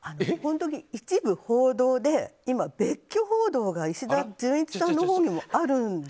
一部報道で、今別居報道が石田純一さんのほうにもあるんですよ。